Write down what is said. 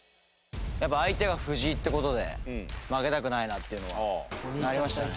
やっぱ相手が藤井って事で負けたくないなっていうのはありましたね。